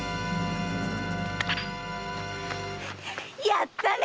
やったね！